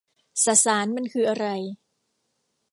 สสารมันคืออะไร